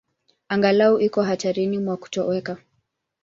Angalau iko hatarini mwa kutoweka.